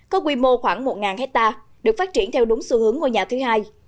có quy mô khoảng một hectare được phát triển theo đúng xu hướng ngôi nhà thứ hai